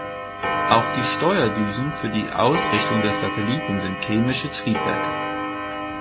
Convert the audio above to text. Auch die Steuerdüsen für die Ausrichtung des Satelliten sind chemische Triebwerke.